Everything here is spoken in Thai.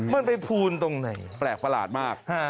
มันไปพูนตรงไหนแปลกประหลาดมาก